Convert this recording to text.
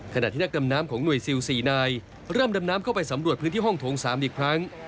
ขณะที่นักดำน้ำของหน่วยซิล๔นายเริ่มดำน้ำเข้าไปสำรวจพื้นที่ห้องโถง๓อีกครั้ง